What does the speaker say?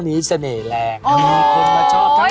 ทำไมอะอาจารย์